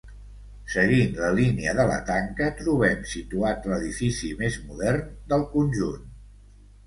Seguint la línia de la tanca trobem situat l'edifici més modern del conjunt.